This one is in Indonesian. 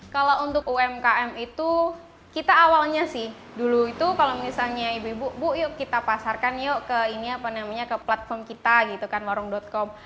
kalau untuk umkm itu kita awalnya sih dulu itu kalau misalnya ibu ibu bu yuk kita pasarkan yuk ke ini apa namanya ke platform kita gitu kan warung com